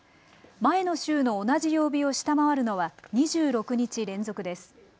前の週の同じ曜日を下回るのは２６日連続です。